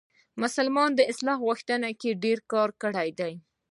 مسلمانو اصلاح غوښتونکو ډېر کار کړی دی.